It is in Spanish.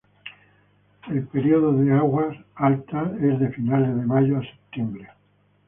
El período de aguas altas es de finales de mayo a septiembre.